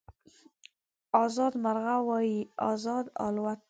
ازاد مرغه وای ازاد الوتای